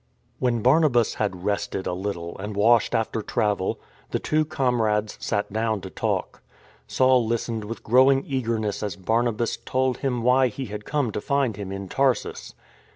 When Barnabas had rested a little and washed after travel, the two comrades sat down to talk. Saul lis tened with growing eagerness as Barnabas told him why he had come to find him in Tarsus.